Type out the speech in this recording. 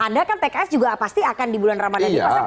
anda kan pks juga pasti akan di bulan ramadhan dipasang